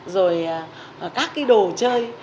rồi các cái đồ chơi